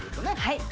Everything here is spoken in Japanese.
はい